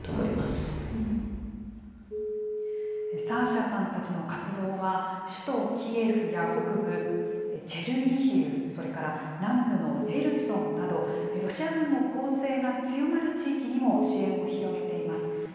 サーシャさんたちの活動は、首都キエフや北部チェルニヒウ、それから南部のヘルソンなど、ロシア軍の攻勢が強まる地域にも支援を広げています。